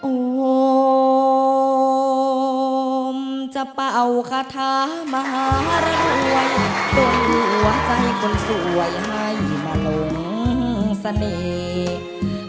โอมจะเป่าคาถามหารวยบนหัวใจคนสวยให้มาหลงเสน่ห์